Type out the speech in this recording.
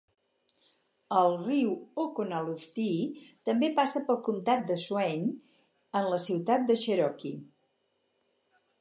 El riu Oconaluftee també passa pel comtat de Swain, en la ciutat de Cherokee.